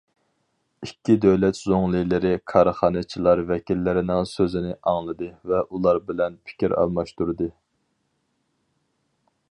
ئىككى دۆلەت زۇڭلىلىرى كارخانىچىلار ۋەكىللىرىنىڭ سۆزىنى ئاڭلىدى ۋە ئۇلار بىلەن پىكىر ئالماشتۇردى.